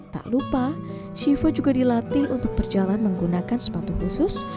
tak lupa shiva juga dilatih untuk berjalan menggunakan sepatu khusus